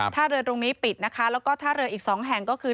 ท่าเรือตรงนี้ปิดนะคะแล้วก็ท่าเรืออีกสองแห่งก็คือ